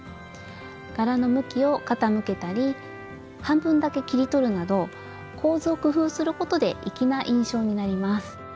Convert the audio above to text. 柄の向きを傾けたり半分だけ切り取るなど構図を工夫することで粋な印象になります。